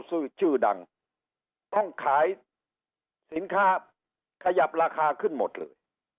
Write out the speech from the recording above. ชื่อดังต้องขายสินค้าขยับราคาขึ้นหมดเลย